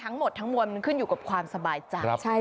ทั้งหมดทั้งมวลมันขึ้นอยู่กับความสบายใจ